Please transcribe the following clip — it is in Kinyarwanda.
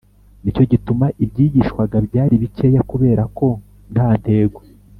Nicyo gituma ibyigishwaga byari bikeya kubera ko nta ntego